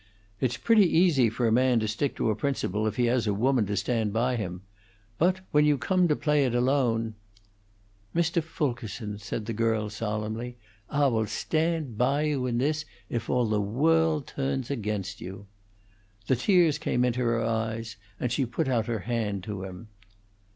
It's pretty easy for a man to stick to a principle if he has a woman to stand by him. But when you come to play it alone " "Mr. Fulkerson," said the girl, solemnly, "Ah will stand bah you in this, if all the woald tones against you." The tears came into her eyes, and she put out her hand to him.